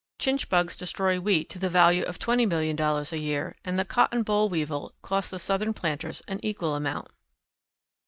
Chinch bugs destroy wheat to the value of twenty million dollars a year, and the cotton boll weevil costs the Southern planters an equal amount.